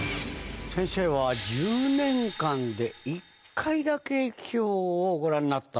先生は１０年間で１回だけユキヒョウをご覧になった。